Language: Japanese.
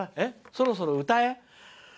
そろそろ歌え？